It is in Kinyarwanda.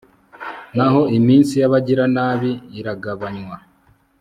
naho iminsi y'abagiranabi iragabanywa